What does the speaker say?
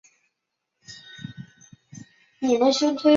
帕略萨是巴西圣卡塔琳娜州的一个市镇。